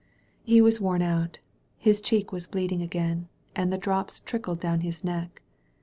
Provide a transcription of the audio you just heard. aaim He was worn out. His cheek was bleeding again, lesb^ and the drops trickled down his neck.